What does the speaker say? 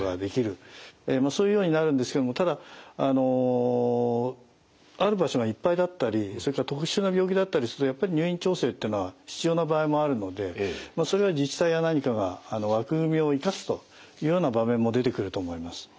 そういうようになるんですけどもただある場所がいっぱいだったりそれから特殊な病気だったりするとやっぱり入院調整ってのは必要な場合もあるのでそれは自治体や何かが枠組みを生かすというような場面も出てくると思います。